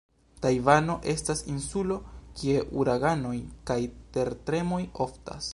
Tajvano estas insulo, kie uraganoj kaj tertremoj oftas.